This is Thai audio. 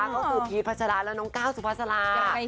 เขาคือพีชพัชราและน้องก้าวสุพัชรา